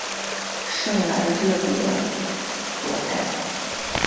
圣莱热德罗泰。